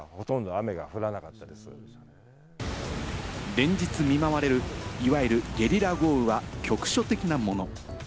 連日見舞われる、いわゆるゲリラ豪雨は局所的なもの。